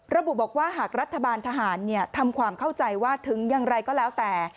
ระบุบอกว่าหากรัฐบาลทหารทำความเข้าใจว่าถึงอย่างไรก็แล้วแต่